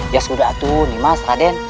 ya sudah raden